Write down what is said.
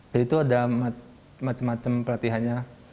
jadi itu ada macam macam pelatihannya